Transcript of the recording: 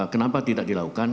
kenapa tidak dilakukan